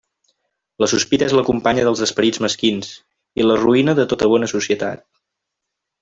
La sospita és la companya dels esperits mesquins, i la ruïna de tota bona societat.